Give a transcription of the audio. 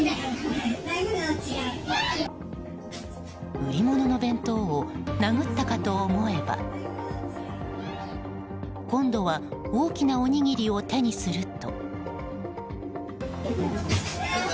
売り物の弁当を殴ったかと思えば今度は大きなおにぎりを手にすると。